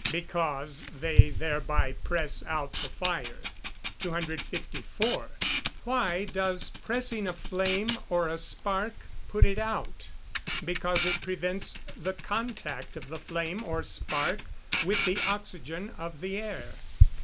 _ Because they thereby press out the fire. 254. Why does pressing a flame or a spark put it out? Because it prevents the contact of the flame or spark with the oxygen of the air.